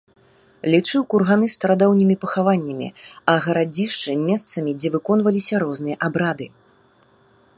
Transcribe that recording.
Лічыў курганы старадаўнімі пахаваннямі, а гарадзішчы месцамі, дзе выконваліся розныя абрады.